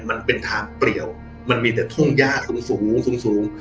มันเป็นทางเปรียวมันมีแต่ทุ่งย่าสูงสูง